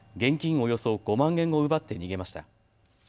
およそ５万円を奪って逃げました。